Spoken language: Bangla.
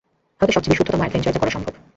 হয়ত সবচেয়ে বিশুদ্ধতম অ্যাডভেঞ্চার যা করা সম্ভব।